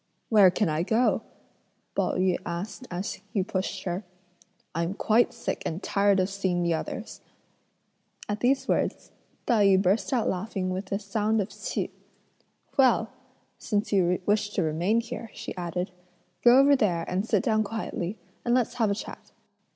"Where can I go?" Pao yü asked as he pushed her. "I'm quite sick and tired of seeing the others." At these words, Tai yü burst out laughing with a sound of Ch'ih. "Well! since you wish to remain here," she added, "go over there and sit down quietly, and let's have a chat."